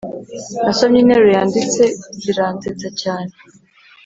nasomye interuro yanditse ziransetsa cyane